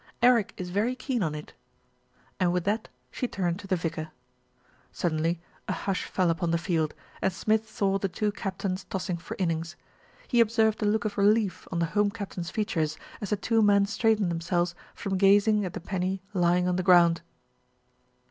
"Eric is very keen on it," and with that she turned to the vicar. Suddenly a hush fell upon the field, and Smith saw the two captains tossing for innings. He observed a look of relief on the home captain's features as the two men straightened themselves from gazing at the penny lying on the ground.